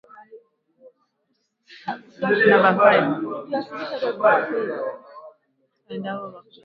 Mawasiliano ni ya muhimu na ni lazima yawepo kati yenu na hifadhi ya Taifa